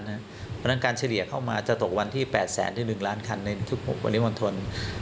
เพราะฉะนั้นการเฉลี่ยเข้ามาจะตกวันที่๘แสนถึง๑ล้านคันในทุกปริมณฑล